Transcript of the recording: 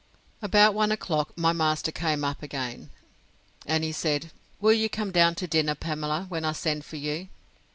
About one o'clock my master came up again, and he said, Will you come down to dinner, Pamela, when I send for you?